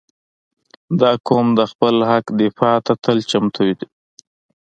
• دا قوم د خپل حق دفاع ته تل چمتو دی.